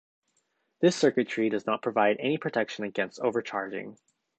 This circuitry does not provide any protection against over-charging.